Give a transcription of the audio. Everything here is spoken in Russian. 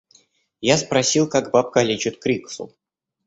Я спросил, как бабка лечит криксу.